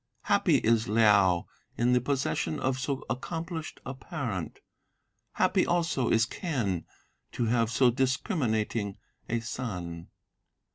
Happy is Liao in the possession of so accomplished a parent, Happy also is Quen to have so discriminating a son.